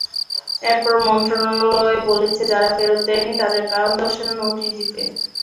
এরপর মন্ত্রণালয় বলেছে, যারা ফেরত দেয়নি তাদের কারণ দর্শানোর নোটিশ দিতে।